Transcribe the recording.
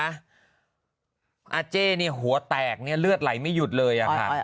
อ่าเจ๊หัวแตกเหลือดไหลไม่หยุดเลย